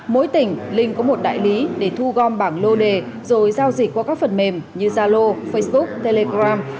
mỗi tỉnh linh có một đại lý để thu gom bảng lô đề rồi giao dịch qua các phần mềm như zalo facebook telegram